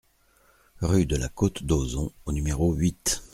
Rue de la Côte d'Oson au numéro huit